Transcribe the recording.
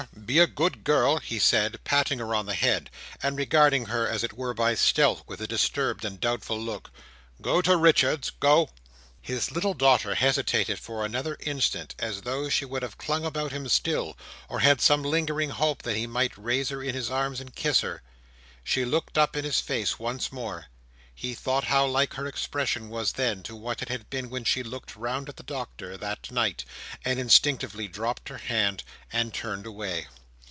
Be a good girl," he said, patting her on the head, and regarding her as it were by stealth with a disturbed and doubtful look. "Go to Richards! Go!" His little daughter hesitated for another instant as though she would have clung about him still, or had some lingering hope that he might raise her in his arms and kiss her. She looked up in his face once more. He thought how like her expression was then, to what it had been when she looked round at the Doctor—that night—and instinctively dropped her hand and turned away.